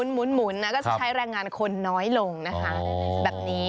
หมุนนะก็จะใช้แรงงานคนน้อยลงนะคะแบบนี้